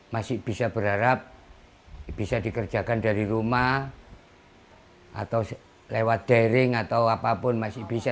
masih bisa berharap bisa dikerjakan dari rumah atau lewat daring atau apapun masih bisa